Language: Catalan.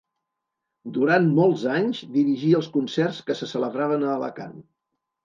Durant molts anys dirigí els concerts que se celebraven a Alacant.